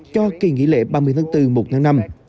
để quay trở lại vào dịp lễ ba mươi tháng bốn mùa một tháng năm